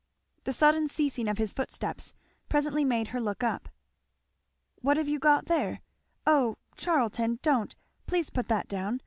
The sudden ceasing of his footsteps presently made her look up. "What have you got there? Oh, Charlton, don't! please put that down!